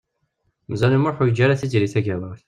Meẓyan U Muḥ ur yeǧǧi ara Tiziri Tagawawt.